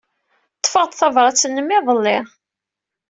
Ḍḍfeɣ-d tabṛat-nnem iḍelli.